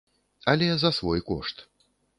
Але за свой кошт.